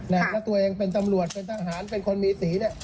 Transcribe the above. แล้วตัวเองเป็นตำรวจเป็นทหารเป็นคนมีสีเนี่ย